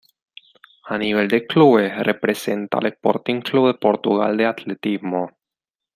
A nivel de clubes, representa al Sporting Clube de Portugal de Atletismo.